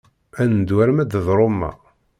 Ad neddu arma d Roma.